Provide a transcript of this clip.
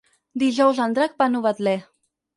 Dijous en Drac va a Novetlè.